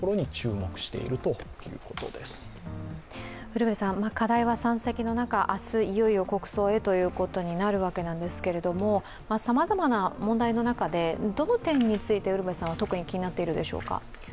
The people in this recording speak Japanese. ウルヴェさん、課題は山積の中、明日いよいよ国葬へということになるわけですけどもさまざまな問題の中でどの点について、ウルヴェさんは特に気になっているでしょうか。